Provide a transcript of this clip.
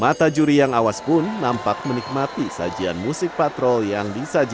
mata juri yang awas pun nampak menikmati sajian musik patrol yang disajikan